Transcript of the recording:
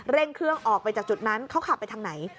เครื่องออกไปจากจุดนั้นเขาขับไปทางไหน